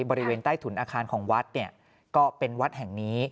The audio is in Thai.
บริเวณใต้ถุนอาคารของวัดเนี่ยก็เป็นวัดแห่งนี้